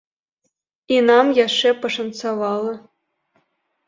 І нам яшчэ пашанцавала.